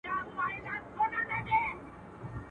o لويي يوازي له خداى سره ښايي.